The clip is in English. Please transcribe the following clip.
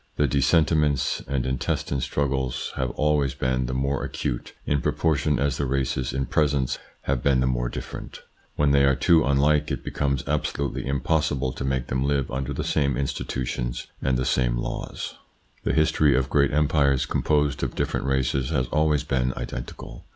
The dis sentiments and intestine struggles have always been the more acute in proportion as the races in presence have been the more different. When they are too unlike it becomes absolutely impossible to make them live under the same institutions and the same laws. ITS INFLUENCE ON THEIR EVOLUTION 59 The history of great empires composed of different races has always been identical.